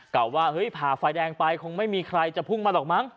กล่าวว่าเฮ้ยผ่าไฟแดงไปคงไม่มีใครจะพุ่งมาหรอกมั้ง